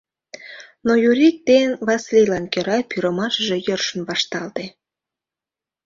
Но Юрик ден Васлийлан кӧра пӱрымашыже йӧршын вашталте.